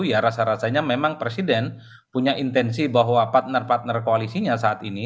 ya rasa rasanya memang presiden punya intensi bahwa partner partner koalisinya saat ini